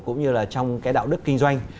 cũng như là trong cái đạo đức kinh doanh